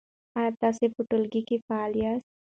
آیا تاسو په ټولګي کې فعال یاست؟